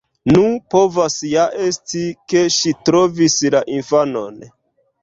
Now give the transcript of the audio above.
Nu, povas ja esti, ke ŝi trovis la infanon.